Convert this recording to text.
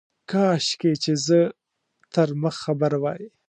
کاشکي چي زه تر مخ خبر وای.